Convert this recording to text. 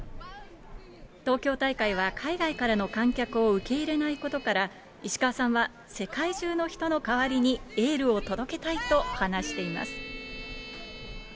東京大会は海外からの観客を受け入れないことから、石川さんは、世界中の人の代わりに、エールを届けたいと話しています。